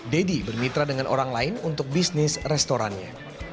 deddy bermitra dengan orang lain untuk bisnis restorannya